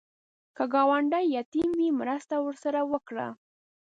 که ګاونډی یتیم وي، مرسته ورسره وکړه